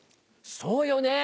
そうよね。